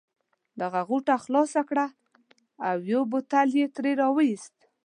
ده غوټه خلاصه کړه او یو بوتل یې ترې را وایست.